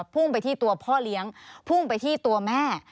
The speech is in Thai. พุ่งไปที่ตัวพ่อเลี้ยงพุ่งไปที่ตัวแม่